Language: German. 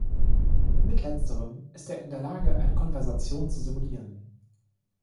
Mit letzterem ist er in der Lage, eine Konversation zu simulieren.